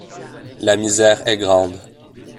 La misère est grande.